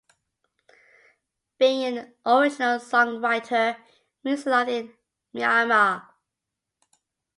Being an "original" songwriter means a lot in Myanmar.